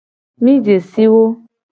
Mi je si wo.